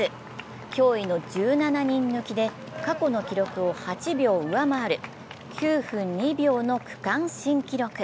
驚異の１７人抜きで過去の記録を８秒上回る９分２秒の区間新記録。